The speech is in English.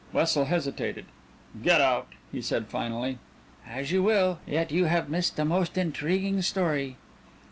Wessel hesitated. "Get out!" he said finally. "As you will. Yet you have missed a most intriguing story."